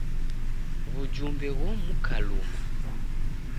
W'ujumbe ghomuka luma.